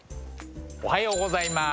おはようございます。